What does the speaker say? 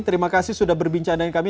terima kasih sudah berbincang dengan kami